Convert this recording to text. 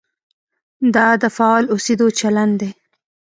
دا د فعال اوسېدو چلند دی.